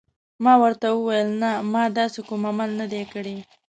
ما ورته وویل: نه، ما داسې کوم عمل نه دی کړی.